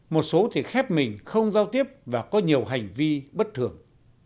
một số thì khép mình không giao tiếp và có nhiều hành vi bất thường